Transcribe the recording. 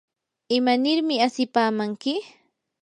¿imanirmi asipamanki?